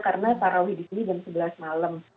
karena parawi di sini jam sebelas malam